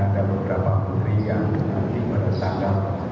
ada beberapa putri yang nanti menetangkan